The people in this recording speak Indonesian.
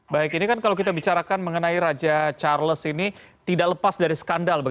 baik ini kan kalau kita bicarakan mengenai raja charles ini tidak lepas dari skandal